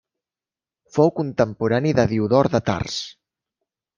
Fou contemporani de Diodor de Tars.